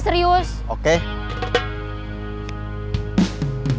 sebenarnya kamu dia kayak keras paham